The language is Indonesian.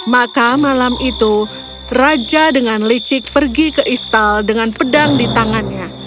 maka malam itu raja dengan licik pergi ke istal dengan pedang di tangannya